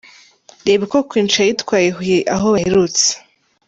Reba uko Queen Cha yitwaye i Huye aho baherutse.